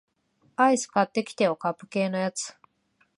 アイス買ってきてよ、カップ系のやつ